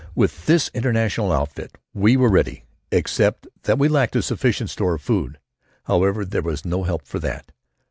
With this international outfit we were ready, except that we lacked a sufficient store of food. However, there was no help for that.